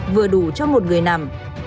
vừa đủ cho một người nằm